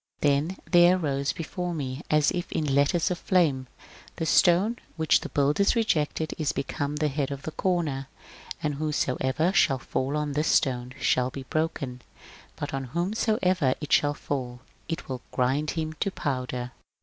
Then there arose before me as if in letters of flame :— The stone which the builders rgected is become the hecui of the comer. And whosoecer shall fall on this stone shall be broken; but on whomsoever it shall fall it unit grind him to powder.